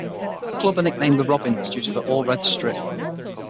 The club are nicknamed "The Robins" due to their all-red strip.